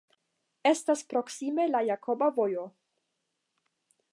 Estas proksime la Jakoba Vojo.